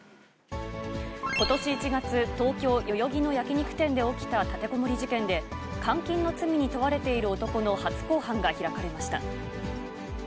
ことし１月、東京・代々木の焼き肉店で起きた立てこもり事件で、監禁の罪に問われている男の初公判が開かれました。